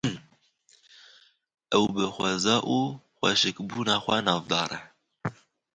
Ew bi xweza û xweşikbûna xwe navdar e.